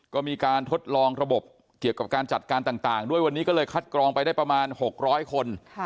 ก็มีการทดลองระบบเกี่ยวกับการจัดการต่างด้วยวันนี้ก็เลยคัดกรองไปได้ประมาณ๖๐๐คน